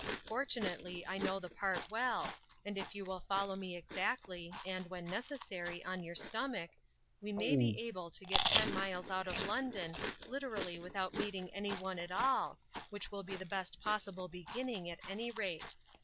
Fortunately, I know the part well, and if you will follow me exactly, and, when necessary, on your stomach, we may be able to get ten miles out of London, literally without meeting anyone at all, which will be the best possible beginning, at any rate.